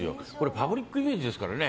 パブリックイメージですからね